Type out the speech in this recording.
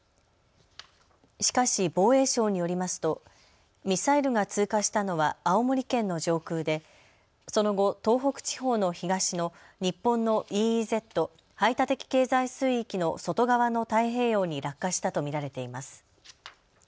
しかし防衛省によりますとミサイルが通過したのは青森県の上空でその後、東北地方の東の日本のＥＥＺ・排他的経済水域の外側の太平洋に落下したと見られています。